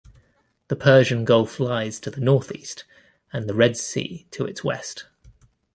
The Persian Gulf lies to the northeast and the Red Sea to its west.